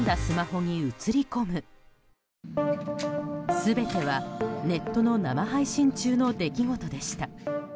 全てはネットの生配信中の出来事でした。